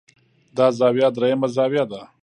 دا زاويه درېيمه زاويه ده